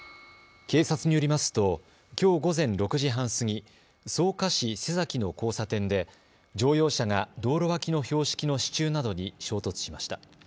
警察によりますときょう午前６時半過ぎ、草加市瀬崎の交差点で乗用車が道路脇の標識の支柱などに衝突しました。